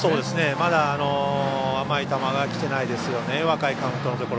まだ甘い球がきてないですよね。